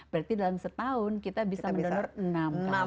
berarti dalam setahun kita bisa mendonor enam kali